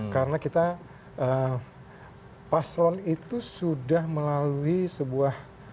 karena kita paslon itu sudah melalui sebuah